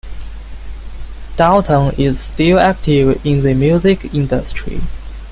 Dalton is still active in the music industry.